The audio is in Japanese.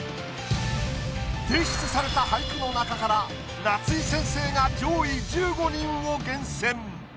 提出された俳句の中から夏井先生が上位１５人を厳選。